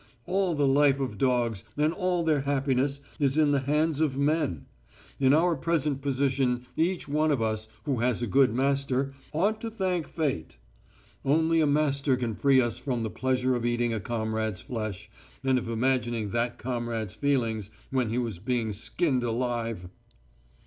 All the life of dogs, and all their happiness, is in the hands of men. In our present position each one of us, who has a good master, ought to thank Fate. Only a master can free us from the pleasure of eating a comrade's flesh, and of imagining that comrade's feelings when he was being skinned alive."